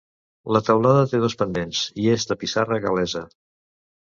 La teulada té dos pendents i és de pissarra gal·lesa.